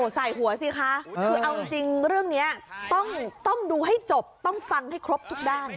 ใส่หัวสิคะคือเอาจริงเรื่องนี้ต้องดูให้จบต้องฟังให้ครบทุกด้าน